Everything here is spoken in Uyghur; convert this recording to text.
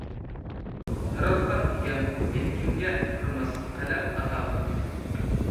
ياراتقان ئىگەم ئىلكىمگە ئۇپرىماس قەلەم ئاتا قىلدى.